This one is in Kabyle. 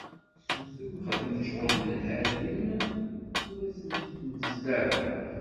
Susem xdem cɣel nhati-m ur d asent-id-nessel ara.